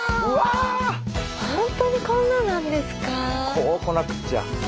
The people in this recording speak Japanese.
こうこなくっちゃ。